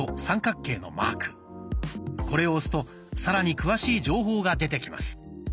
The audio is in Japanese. これを押すとさらに詳しい情報が出てきます。